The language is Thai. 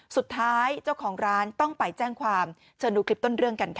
สุดท้ายเจ้าของร้านต้องไปแจ้งความเชิญดูคลิปต้นเรื่องกันค่ะ